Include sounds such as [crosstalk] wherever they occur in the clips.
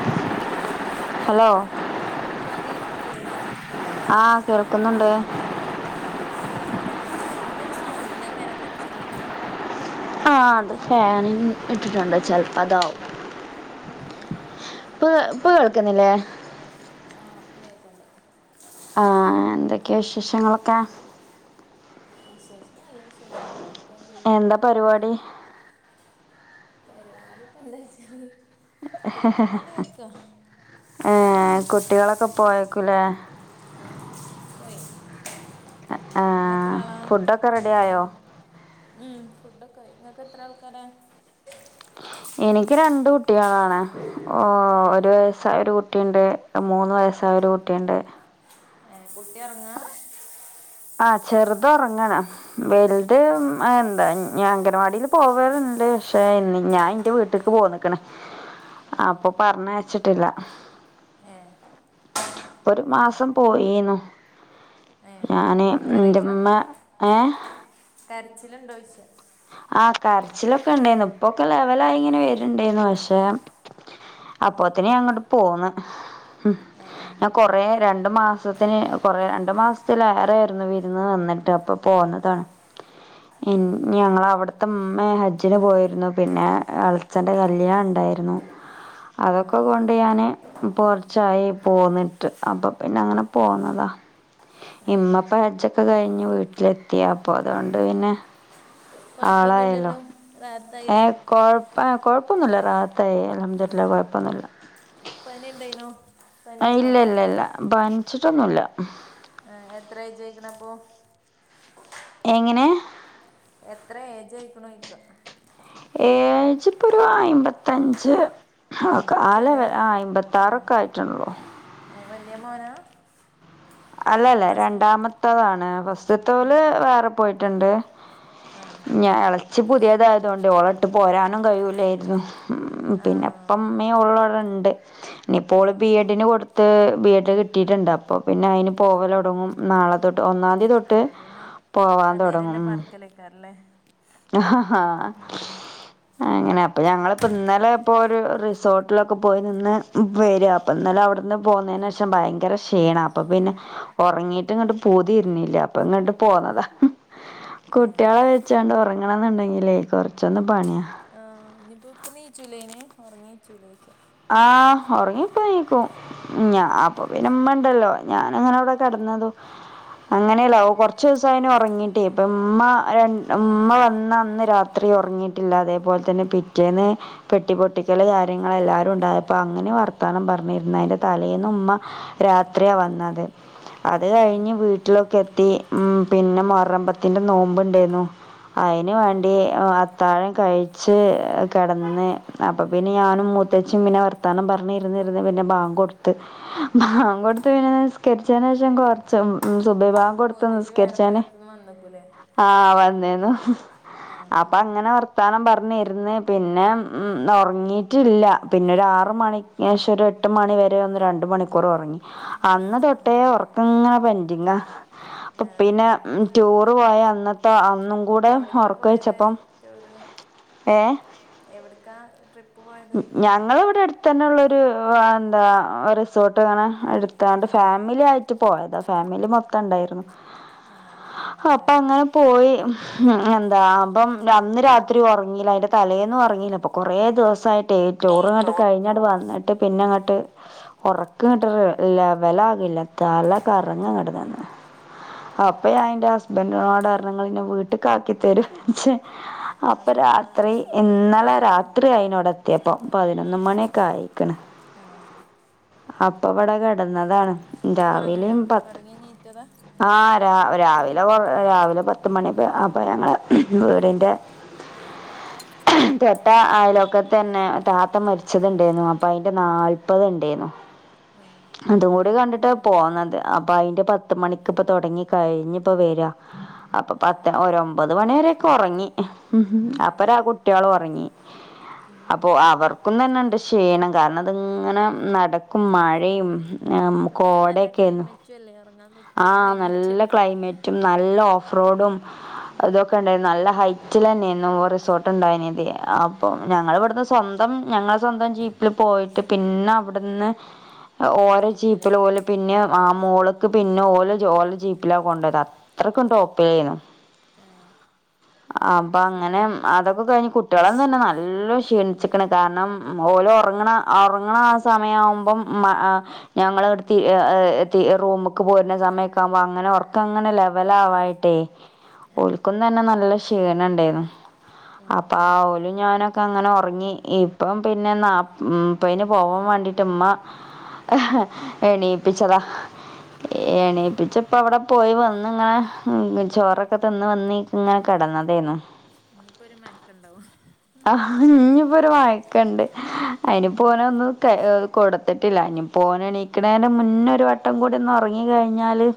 Hello hello ആഹ് കേക്ക്‌ണ്ല്ലേ ആഹ് കേൾക്കുന്നുണ്ട് ആഹ് എന്തൊര് സൗണ്ട് പെര പെര സൗണ്ട് ആഹ് അത് ഫാൻ ഇട്ടിട്ടുണ്ട് ചെൽപ്പതാവും ആ പ്പ് പ്പ കേൾക്ക്ന്നില്ലേ? ആഹ് ഇപ്പ കേക്ക്ണ്ട് ആഹ് എന്തൊക്കെ വിശേഷങ്ങളൊക്കാ വിശേഷം നല്ല വിശേഷം കൊഴ്പ്പൊന്നു ഇല്ലാ എന്താ അൽഹം പരിപാടി ന്താ പര്‌വാടി പരിവാടിപ്പെന്താച്ചാല് കുളിക്കാം വാണ്ടി നിക്കാ ഏഹ് കുട്ടികളൊക്കെ പോയെക്കും ലേ ആഹ് പോയി ങ്ങ ഏഹ് എത്രാളാ ഫുഡൊക്കെ റെഡി ആയോ [unintelligible] ‌ലായോ? ഉം ഫുഡ്ഡാെക്കായ് ഇങ്ങക്കെത്രാൾക്കാരാ? എനിക്ക് രണ്ട് കുട്ടികളാണ് ഓഹ് ഏ ഒരു വയസ് സ്സായാെര് കുട്ടീണ്ട് മൂന്ന് വയസ്സായാെര് കുട്ടീണ്ട് ഏഹ് കുട്ട്യൊർങ്ങാ ആഹ് ചെർത് ഒറ്ങ്ങാണ് വെൽത് ഉം ആ എന്താ ഞ അഗനവാടീല് പോവെല്ണ്ട് ഷേ ഇന്ന് ഞാ ഇന്റെ വീട്ട്ക്ക്‌ പോന്ന് ക്ക്ണ് ആ അപ്പാെ പർഞ്ഞയ്ച്ച്ട്ട്ല്ലാ ഏ ഒരു മാസം അങ്ങനെ പോയീന്ന് ഏ ഞാന് ഇന്റെമ്മ ഏഹ് കരച്ചില്ണ്ടോയ്ച്ചാ ആഹ് കര്ച്ചിലൊക്കെണ്ടേയ്ന്നു ഇപ്പൊക്കെ ലെവലായിങ്ങെനെ വെര്ണ്ടേയ്ന്നു പക്ഷേ ആ അപ്പോത്തിന് ഞാങ്ങെട്ട് പോന്ന് ഹും ഏ ഞാൻ കൊറേ രണ്ട് മാസത്തിന് കൊറേ രണ്ട് മാസ്ത്തിലേറേയ്ര്ന്നു വിരുന്ന് നിന്നിട്ട് അപ്പം പോന്നതാണ് ഏ ഇഞ്ഞ് ഞങ്ങളവ് ട്ത്തെമ്മെ ഹെജ്ജിന് പോയിര്ന്നു പിന്നെ എൾച്ചെന്റെ കല്യാണംണ്ടായ്ര്ന്നു ആ അതൊക്കെ കൊണ്ട് ഞാന് ഇപ്പൊ കൊർച്ചായി പോന്നിട്ട് അപ്പൊ പിന്നങ്ങനെ പോന്നതാ ഏ ഇമ്മപ്പം ഹജ്ജാെക്കെ കയ്ഞ്ഞ് വീട്ട്ലെത്തി അപ്പ അതോണ്ട് പിന്നെ കൊഴ്പ്പൊന്നുല്ലല്ലോ റാഹത്തായീലെ കൊഴ്പ്പ ആഹ് കൊഴ്പ്പൊന്നുല്ല റാഹത്തായി അൽഹംദുര്ല്ലാഹ് കൊഴപ്പൊന്നുല്ലാ പനിണ്ടേയ്നോ അഹ് ഇല്ല ല്ല ല്ല പൻച്ച്ട്ടൊന്നുല്ലാ ഏ എത്രയ്ജയ്ക്ക്‌ണപ്പോ എങ്ങനെ എത്ര ഏജ് ആയിക്കണോയ്ക്ക ഏജിപ്പൊരു അയ്മ്പത്തഞ്ച് ആ കാല വ ആ ആ അയ്മ്പത്താറൊക്കെയ്ട്ടൊള്ളൂ ഏ വല്ല്യ മോനാ അല്ലല്ല നിങ്ങളെ ഹസ്ബൻഡ് രണ്ടാമത്തതാണ് ഫസ്റ്റ്തോല് വേറെ പോയിട്ട്ണ്ട് ആഹ് ഞാ എളച്ചി പുത്യേതായതൊണ്ട് ഓളെട്ട് പോരാനും കയ്യൂലേര്ന്നു ഉം ആ പിന്നെ പ്പ മ്മീം അപ്പോൾ ഓളവ്ടെണ്ട് ആ ഇനിപ്പോള് ബി എഡിന് കൊട് ത്ത് ബി എഡ് കിട്ടീട്ട്ണ്ട് അപ്പ പിന്നയ്ന് പോവലൊടങ്ങും നാളെ തൊട്ട് ഒന്നാം തീയതി തൊട്ട് അപ്പ പിന്നെ പോവാൻ അതേരെല്ല പറക്കലേക്കാരലേ ആഹ് ഹഹാ ആ അങ്ങനെ അപ്പ ഞങ്ങള്പ്പോ ന്നലെ ഇപ്പോ രു റിസോർട്ടിലൊക്കെ പോയി നിന്ന് വര് പ്പ ഇന്നലെ ഔട്ന്ന് പോന്നേനേഷം ഭയങ്കര ക്ഷീണം അപ്പ പിന്നെ ഉറങ്ങിട്ട് ങ്ങട്ട് പൂതീർണില്ല അപ്പങ്ങട്ട് പോന്നതാ ഏ കുട്ട്യാളെ വെച്ചാണ്ട് ഉറങ്ങണന്ന്ണ്ടെങ്കിലേ കൊറച്ചൊന്ന് പണിയാ ഞ്പ്പ പ്പ നീച്ചൂലൈന് ഒറങ്ങീച്ചൂലെ ആഹ് ഒറങ്ങി പ്പോ നീക്കും ഞാപ്പ പിന്നെമ്മണ്ടല്ലോ ഞാനങ്ങനൗടെ കെടന്നതും അങ്ങനെയല്ല ഓ കൊർച്ചീസായിണ് ഒറങ്ങീട്ടേ ഇപ്പമ്മ രൻ മ്മ വന്ന അന്ന് രാത്രി ത്രി ഒറങ്ങീട്ടില്ല അതേപോൽതന്നെ പിറ്റേന്ന് പെട്ടി പൊട്ടിക്കൽ കാര്യങ്ങളായി ലുണ്ടായപ്പങ്ങനെ വർത്താനം പർഞ്ഞിര്ന്ന് അയ്ന്റെ തലേന്നുമ്മ രാത്രിയാ വന്നത് അത് ആ കഴിഞ്ഞ് വീട്ടിലൊക്കെത്തി ഉം പിന്നെ മൊഹറം പത്തിന്റെ നോമ്പ് ണ്ടേന്നു അയ്ന് ആ വേണ്ടി അത്താഴം കഴിച്ച് കെടന്ന് അപ്പൊ പിന്നെ ഞാനും ത്തച്ചിം പിന്നെ വർത്താനം പറഞ്ഞ് ഇര്ന്നിര്ന്ന് പിന്നെ ബാങ്കൊട്ത്ത് ബാങ്കൊട്ത്ത് പിന്നെ നിസ്കരിച്ചേനേഷം കൊ ച്ചം ആ സുബൈബാങ്കൊട്ത് മൂത്തേച്ചി വേറെ നിസ്കേര്ച്ചാന് പോയടത്തുനിന്ന് വന്നേക്കൂലേ ആഹ് വന്നീന്നു ആഹ് അപ്പങ്ങനെ ത്താനം പർഞ്ഞിര്ന്ന് പിന്നെ ഒർങ്ങീട്ടില്ല പിന്നൊരു ആറ് മണിക്കേശം ഒരു എട്ട് മണിവരെ ഒന്ന് രണ്ട് മണിക്കൂറൊറങ്ങി അന്ന് തൊട്ടേ ഒറക്കങ്ങനെ പെൻഡിങ്ങ അപ്പ ഏഹ് പിന്നെ ടൂർ പോയ അന്നത്തെ ന്നും കൂടെ എവിടക്കാ പോയത് ഓറക്കൊയിച്ചപ്പം ഏ എവിട്ക്കാ ട്രി ഞങ്ങള്വ്ടെ അട്ത്തെന്നെള്ളൊരു ഹ് എന്താ റിസോർട്ട് ങ്ങനെ ത്താണ്ട് ഫാമില്യായിട്ട് പോയതാ ഫാമിലി മൊത്തംണ്ടേർന്നു ആഹ് അങ്ങനെല്ലേ അപ്പങ്ങനെ പോയി എന്താ അപ്പം അന്ന് രാത്രി ഒറങ്ങീല അയ്ന്റെ തലേന്നും ഒറങ്ങീല്ല കൊറേ ദിവസായിട്ടെ ടൂർ ങ്ങട്ട് കഴിഞ്ഞാണ്ട് വന്നിട്ട് പിന്നെ ങ്ങട്ട് ഒറക്ക്ങ്ങട്ട് ലെവലാകില്ല തല കറങ്ങട്ട് ന്ന് ആഹ് അപ്പൊ ഞാൻന്റെ ഹസ്ബൻഡിനോടറഞ്ഞ് ഇങ്ങള്ന്നെ വീട്ട്ക്കാക്കിത്തരൊ അപ്പൊ രാത്രി സ്വസ്ഥതായാണ്ട് ഉറങ്ങാലോ ഇന്നലെ രാത്രി ആയിതിനോട മത്തിയപ്പം പതിനൊന്ന് മണിയൊക്കെ ആയിക്കണ് ആഹ് അപ്പൊ ഇവിടെ കെടന്നതാണ് ഇപ്പൊറങ്ങിയോ ഒറങ്ങിനീറ്റത ആഹ് രാ രാവിലെ രാവിലെ പത്തി മണി അപ്പൊ ഞങ്ങള് വീടിന്റെ ആഹ് ട്ട അയലൊക്കെതന്നെ താത്തം മരിച്ചത് ഉണ്ടായിരുന്നു അപ്പൊ അതിന്റെ നാല്പ്പത് ഉണ്ടെന്നു ആഹ് അതും അപ്പൊ കൂടി അയിനൊക്കെ കണ്ടിട്ട പോയോ പോന്നത് അപ്പൊ അയിന്റെ പത്ത് മണിക്ക് ഇപ്പ തുൊടങ്ങി കഴിഞ്ഞ ഇപ്പോ വര അപ്പൊ ആഹ് പത്ത് ഒരമ്പത് മണി വരൊക്കെ ഉറങ്ങി ഉം ഏഹ് അപ്പര ആ കുട്ടിയാള് ഉറങ്ങി ഉം അപ്പൊ അവർക്കുംന്ന തന്നെ ഇണ്ട് ക്ഷീണം കാരണം അത്ങ്ങനെ നടക്കും മഴയും ആഹ് കോടയൊക്കൊയാണ് ചല്ല ഇറങ്ങാൻ പ ആഹ് നല്ല ക്ലയിമറ്റും നല്ല ഓഫ്റോഡും ഉം അതൊക്കെ ക്കണ്ടേനി നല്ല ഹൈറ്റിൽ തന്നെയ റിസോർട്ട് ഉണ്ടായിന്യത് അപ്പൊ ആഹ് ഞങ്ങള് ഇവിടുന്ന് സ്വന്തം ഞങ്ങൾ സ്വന്തം ജീപ്പിൽ പോയിട്ട് പിന്നെ അവിടുന്ന് [inaudible] ഓരോ ജീപ്പില് ഓല് ട്രക്കിങ് പിന്നെ ആ ഏഹ് മോളക്ക് പിന്നെ ഓല് ഓലേ ജീപ്പിലാ കൊണ്ടരാ എത്രക്കുട്ടൊപ്പേന്നു ആഹ് അപ്പൊ അങ്ങനെ അതൊക്കെ കഴിഞ്ഞ് കുട്ടികളന്ന തന്നെ നല്ല ക്ഷീണിച്ചിക്കണ് കാരണം ഓലും ഉറങ്ങണ ഉറങ്ങണ ആ സമയവുമ്പം മ ആഹ് ഞങ്ങളവിടു [unintelligible] ഈ റൂമ് പോരുന്ന സമയക്ക ആകുമ്പോ അങ്ങനെ ഒർക്കങ്ങനെ ലെവലവായിട്ടേ ആഹ് ഒല്ക്കുന്നന്നെ നല്ല ക്ഷീണം ഉണ്ടായിരുന്നു ഉം അപ്പൊ ഉം ഓലും ഞാനൊക്കെ അങ്ങനെ ഉറങ്ങി ഇപ്പം പിന്നെ നാ ഇപ്പ ഇന് പോവാൻ വേണ്ടിട്ടമ്മ എണീപ്പിച്ചതാ ഏഹ് എണീപ്പിച്ച ഇപ്പൾ അവിടെ പോയി വന്ന ഇങ്ങനെ ചോറൊക്കെ തിന്ന് വന്ന് ഇങ്ങനെ കെടന്നതേനു ഇനിയിപ്പോ ഒരു മയക്കുണ്ടാവോ ആഹ് ഇഞ് ഇപ്പോരു മയക്കണ്ട് അയിന് ഉം പോന ഒന്ന് ക്ക് കൊടുത്തിട്ടില്ല ഇനിപ്പൊൻ എണീക്കണേൻ്റെ മുന്നൊരു വട്ടം കൂടി ഒന്നൊറങ്ങി കഴിഞ്ഞാല്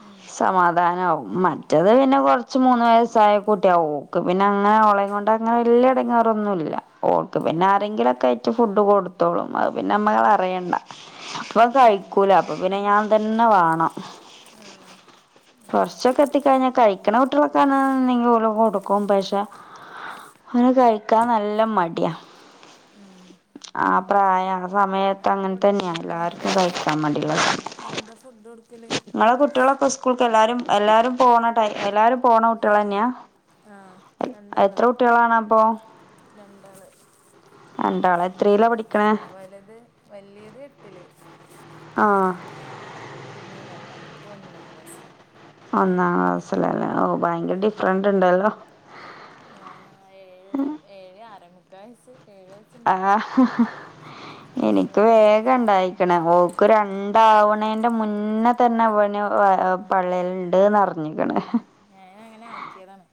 ഉം സമാധാനാവും മറ്റത് പിന്നെ കുറച്ച് മൂന്ന് വയസ്സായ കുട്ടിയാും ഓക്ക് പിന്നെ അങ്ങനെ ഓളേം കൊണ്ട് അങ്ങനെ എല്ല ഇടങ്ങാറൊന്നുല്ല ഓക്ക് പിന്നെ ആഹ് ആരെങ്കിലുംക്കെ ആയിട്ട് ഫുഡ് കൊടുത്തോളും അത് പിന്നെ നമ്മളറിയണ്ട അപ്പൊ കഴിക്കൂല ചെറുതിന് അപ്പൊ പിന്നെ നമ്മളന്നെ ഞാൻ കൊടുക്കണം തന്നെ വാണം ആഹ് അതന്നെ കുറച്ചൊക്കെ എത്തിക്കഴിഞ്ഞ കഴിക്കണ കുട്ടികളൊക്കെ എന്തെങ്കലൊക്കെ കൊടുക്കും പഷേ ഒനെ കഴിക്കാൻ നല്ല മടിയാ ഉം ആ പ്രായ സമയത്ത് എന്താ അങ്ങനെ തന്നെയാ കൊടുക്കലപ്പൊ എല്ലാവർക്കും കയ്ക്കാൻ മടി എന്താ ഫുഡ് എടുക്കല് ഇങ്ങളെ കുട്ടികളൊക്കെ സ്കൂൾക്ക് എല്ലാരും എല്ലാരും പോണ എല്ലാരും പോണ ആഹ് കുട്ടിയാളെന്ന്യ ആഹ് രണ്ടാള് അപ്പോ രണ്ടാള് രണ്ടാള് എത്രയിലാ വല്ത് പഠിക്കണേ ആഹ് വല്ത് വല്യേത് എട്ടില് ആഹ് പിന്നെ രണ്ടാമത്തെ ഒന്നാം ക്ലാസ്സിലും ഒന്നാം ക്ലാസ്സില് ല്ലേ ഓ ഭയങ്കര ഡിഫറന്റ് ഉണ്ടല്ലോ ഞാ ഏഴ് ഏഴ് ആറമുക്കാ വയസ് ഏഴു. ആഹ് എനിക്ക് ഡിഫറന്റ് ഉണ്ട് വേഗം ണ്ടായി. ഓക്ക് രണ്ടാവണേന്റെ മുന്നേ തന്നെ അവെന് പള്ളേലുണ്ട് നർ ഞ്ഞിക്കണ് ഞാനങ്ങനെ ആക്കിയതാണ്.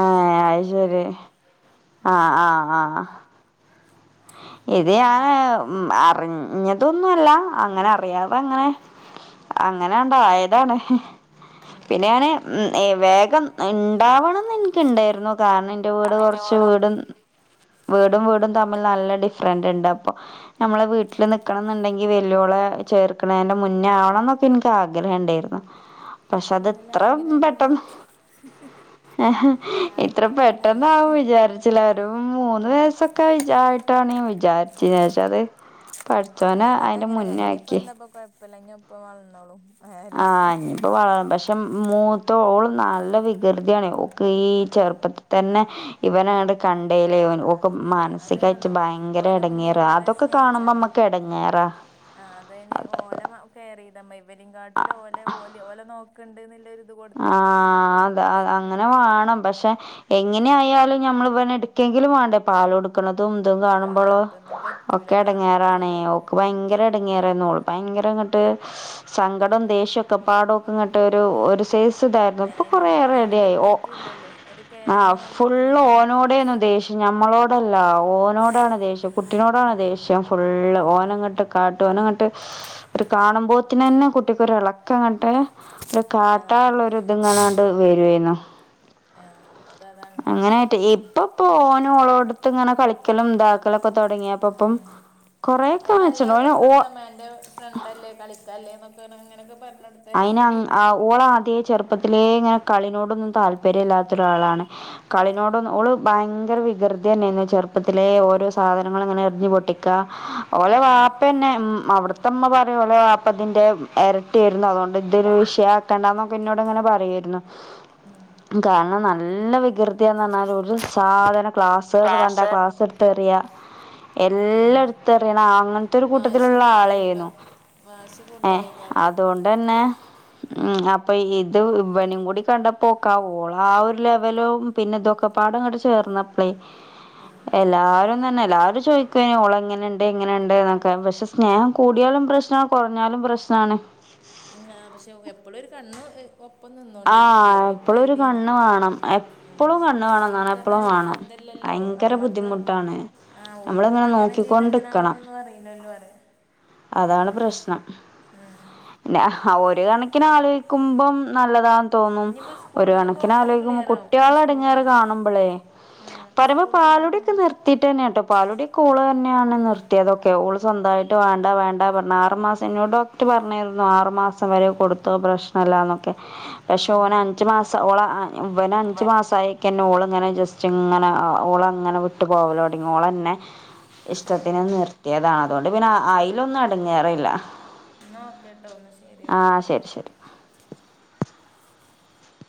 ആ ഹ് അയ്ശെരി. ആവണ്ടേ ആഹ് ആഹ് ആഹ്. അപ്പൊ ഇങ്ങനെ ഇതേയാം അറിഞ്ഞ് ഞ്ഞതൊന്നും അല്ല. അങ്ങനെ അറിയാതെ അങ്ങനെ അങ്ങനെ ഉണ്ടായതാണ്. ഉം പിന്നെ ഞാന് വേഗം ഉണ്ടാവെണംന്ന് എനക്കുണ്ടാരുന്നു. കാരണം ന്റെ വീട് കൊറെച്ച് വീടും. വീടും വീടും തമ്മിൽ നല്ല ഡിഫെറൊണ്ട് അപ്പോ നമ്മെളെ വീട്ടില് നിക്കണോന്നുണ്ടെങ്കിൽ വെല്ലുവളേ ചേർക്കണേൻ്റെ മുന്നേ ആവണം എന്നൊക്കെ എനിക്ക് ആഗ്രഹം ഉണ്ടാരുന്നു. പക്ഷെ അത് ഏതായാലും ഇത്രേം ആഗ്രഹം പെട്ടെന്ന്. ഫുള്ളായി ഹേ ഇത്ര ആഗ്രഹം ഫുള്ളായി പെട്ടന്നാവും വിചാരിച്ചില്ല. ഒരു മൂന്ന് വയസ്സെക്കെ. കഴിഞ്ഞാട്ടാണീ ഞാ വിചാരിച്ചേന് പക്ഷെ അത്‌ കഴിഞ്ഞാലത് അങ്ങനെ. ഇനിപ്പ എന്താപ്പ കൊഴപ്പമില്ലാഞ്ഞപ്പോ വന്നോളും. ആഹ്‌ ഇഞ് ഇപ്പൊ വള. പക്ഷെ, മൂത്തോള് നല്ല വികൃതിയാണേ. ഒക്കെ ഈ ആഹ് ചെറുപ്പത്തി തന്നെ. ഇവെനാട് കണ്ടേലേ ഓക്ക് ആഹ് മാനസികായിട്ട് അതെന്തെന്നോ ഭയങ്കര ഓലെ മുന്നിൽ ഇടങ്ങേറാ. ഇവരെ അതൊക്കെ കാണുമ്പോ സ്നേഹിച്ചാന്നാ നമ്മെക്ക്. ക്കെ എടങ്ങേറാ ആഹ് അതേന് ഓല മെ കേറിതാ. മേ ഇവെനും കാട്ടി ഓല ഓല നോക്കുണ്ടൊള്ളോരിത്. ആഹ് അതാ അ അങ്ങെനെ വേണം. പക്ഷെ എങ്ങനെയായാലും നമ്മെള് ഇവനെടുക്കെങ്കിലും വേണ്ടേ പാല് കൊടുക്കുന്നതും ഇതും ആഹ് കാണുമ്പോളോ അപ്പൊന്നും പറ്റൂല ഒക്കെ കാണുമ്പോ ഇടങ്ങേറാണേ. ചെലോൽക്ക് ഓക്ക് ഉം ഭയങ്കരടേ ങ്ങേറ് നിന്നു ഓൾ ഭയങ്കരങ്ങോട്ട് സങ്കടം ദേഷ്യൊക്കൊപാടക്കെ ഇങ്ങോട്ട് ഒരു. ഒരു ചേസിതാരുന്നു. ഇപ്പൊ അയിന് കൊറെയേറെ അയിന് റെഡിയായി. ഓ കിട്ടിട്ടുല്ലല്ലോ ഒരു ആ കെയറിങ്ങ് ഫുൾ കിട്ടണില്ല ഓനോട്. ടേന് ദേഷ്യം. ഞമ്മെളോടല്ല. ഓനോടാണ് ദേഷ്യം. കുട്ടിനോടാണ് ആഹ് ദേഷ്യം ഫുള്ള്. ആഹ് ഓനങ്ങോട്ട്. കാട്ടുവെനങ്ങോട്ട് ഒരു കാണുമ്പോ തന്നെ കുട്ടിക്കൊര് ഇളക്കോങ്ങട്ട്. ആഹ് കിട്ടാനൊള്ളൊരിത് ഇങ്ങനാ ണ്ടു വെരുവാരുന്നോ. ആഹ് അതതാണ് അങ്ങനെയായിട്ട് ഇപ്പൊ ഓനും ഓളോടുത്ത് ഇങ്ങനെ കളിക്കലും ഇതാക്കലൊക്കെ തൊടങ്ങിയപ്പം. ആഹ് അത് നല്ലായട്ട് ഓന് ഓ ഒള്ളൊടെത്ത് ഉമ്മാന്റോ. ഫ്രണ്ടല്ലേ കളിക്കാല്ലേ എന്നൊക്കെയാണ അങ്ങനെയൊക്കെ പറഞ്ഞു കൊടുത്ത്. അയിന് അങ്ങ് ഓള് ആദ്യേ ചെറുപ്പത്തിലേ ഇങ്ങനെ കളിനോടൊന്നും താല്പര്യം ഇല്ലാത്തൊരാളാണ്. ആഹ് കളിനോടൊന്നും ഓൾ ഭയങ്കര വികൃതിന്നേനു ചെറുപ്പത്തിലെ ഓരോ സാധനങ്ങളിങ്ങനെ എറിഞ്ഞു പൊട്ടിക്കാ. ഓളെ വാപ്പന്നെ. ഉം അവിടത്തമ്മ പറയും. ഓളെ വാപ്പതിന്റെ ഇരട്ടി അതുകൊണ്ട് ഇതൊരു വിഷയാക്കേണ്ടന്നൊക്കെ എന്നോട് ഇങ്ങനെ പറയുവാരുന്നു. ഉം കാരണം നല്ല വികൃതിയാന്ന്. ഒരു സാധനം ക്ലാസുകള് കണ്ടാ ക്ലാസ് എടുത്ത് എറിയാ. എല്ലാം ആഹ് എടുത്തെറിയണ ആ അങ്ങനത്തൊരു വാശി കൂട്ടത്തിലുള്ള കൂടുതലുണ്ടോ ആളായിരുന്നു. വാശി കൂടുതലേക്കാരം അതോണ്ടന്നെ ഉം അപ്പ ഇത് ഇവെനും കൂടി കണ്ടപ്പോക്കാ ഓളാ ആ ഒരു ലെവെലും. പിന്നെ ദൊക്കപ്പാടങ്ങട്ട് ചേർന്നപ്പ്ളേ. ആഹ് എല്ലാരും തന്നെ എല്ലാരും ചോയിക്ക്വേനി. ഓളെങ്ങനെണ്ട് എങ്ങനെണ്ട് ന്നൊക്കെ. പക്ഷെ, സ്നേഹം കൂടിയാലും പ്രശ്നാ. കൊറെഞ്ഞാലും പ്രശ്നാണ്. ങ്ഹാ പക്ഷെ എപ്പ്ളൊരു കണ്ണ് ഏഹ് ഒ പ്പം നിന്നോണ്ടി. ആഹ് അല്ലെങ്കി എപ്പളും ഒരു പേടിയാണ്. കണ്ണ് വേണം ഉം എപ്പളും കണ്ണ് വേണം എന്നാണ് എപ്പളും ഓല്ക്കർഞ്ഞാല് അ വേണം ന്തല്ലല്ലോ ഭയങ്കര അമ്മക്ക് ബുദ്ധിമുട്ടാണ് ആഹ് ഓല്ക്കിപ്പ നമ്മളിങ്ങനെ അങ്ങനെ ചെയ്താ നോക്കിക്കൊണ്ടിക്കണം ഇങ്ങനാവുംന്നൊന്നും അറീല്ലല്ലോ പറയാ. അതാണ് പ്രശ്നം. ഞാ ഒരു കണക്കിന് ആലോയ്ക്കുമ്പം നല്ലതാ തോന്നും. ഇനിയിപ്പോ ഒരു സ്കൂളിലൊക്കെ പോകുമ്പോൾ കണക്കിനാലോയ്ക്കുമ്പ ക്ലിയർ ആവും കുട്ട്യോളെ സ്കൂൾക്ക് എടങ്ങേറ് കാണുമ്പളേ. പറയ്മ്പോ സ്കൂളിലൊക്കെ പാലുടി ഒക്കെ നിർ പോകുമ്പോൾ ത്തീട്ടെന്നേട്ടൊ പാലൂടിയൊക്കെ ഓള് തന്നെയാണ് നിർത്തിയതൊക്കെ ഓള് സ്വന്തായിട്ട് വേണ്ട വേണ്ട പർഞ്ഞ് ആറ് മാസ സന്നോട് ഡോക്ടർ പറഞ്ഞിരുന്നു ആറ് മാസം വരെ കൊടുത്തോ പ്രശ്നെല്ലാന്നൊക്കെ. പക്ഷെ ഓന് അഞ്ചു മാസാ ഓള ഇവന് അഞ്ച് മാസായി തന്നെ ഓളിങ്ങനെ ജസ്റ്റ് ഇങ്ങനെ ഓളങ്ങനെ വിട്ടു പോവലൊടങ്ങി ഓളെന്നെ ഇഷ്ടത്തിന് നിർത്തിയതാ അതോണ്ട് പിന്നെ അയിലൊന്നും എടങ്ങേറില്ല. ഇന്നാ ഓക്കേട്ടൊ ഇന്നാ ശരി ഓക്കെ. ശരി ശരി